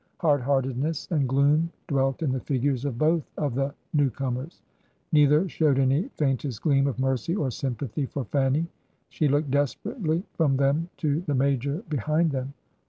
Hard hearted ness and gloom dwelt in the figures of both of the new comers ; neither showed any the faintest gleam of mercy or sympathy for Fanny. She looked desperately from them to the Major behind them.